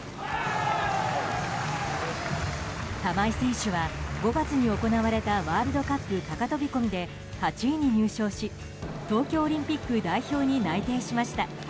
玉井選手は、５月に行われたワールドカップ高飛込で８位に入賞し東京オリンピック代表に内定しました。